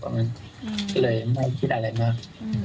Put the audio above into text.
ก็เลยไม่คิดอะไรมาก